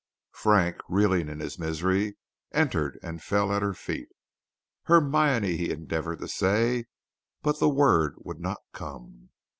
Frank, reeling in his misery, entered and fell at her feet. "Hermione," he endeavored to say, but the word would not come.